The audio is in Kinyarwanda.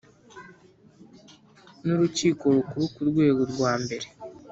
n Urukiko Rukuru ku rwego rwa mbere